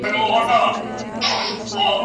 تیرې چړې مې له ځيګره وتې دینه